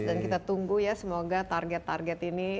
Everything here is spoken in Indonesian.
dan kita tunggu ya semoga target target ini